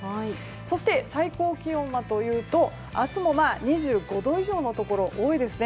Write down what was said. そして、最高気温は明日も２５度以上のところ多いですね。